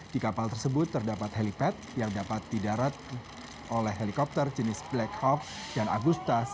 di kapal tersebut terdapat helipad yang dapat didarat oleh helikopter jenis black hawk dan agusta satu ratus sembilan